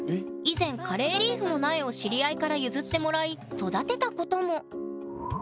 以前カレーリーフの苗を知り合いから譲ってもらい育てたことも。